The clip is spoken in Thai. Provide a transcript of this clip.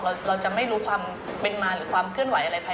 เราจะไม่รู้ความเป็นมาหรือความเคลื่อนไหวอะไรภาย